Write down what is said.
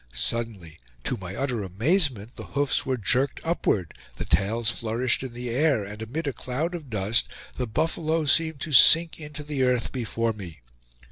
Suddenly, to my utter amazement, the hoofs were jerked upward, the tails flourished in the air, and amid a cloud of dust the buffalo seemed to sink into the earth before me.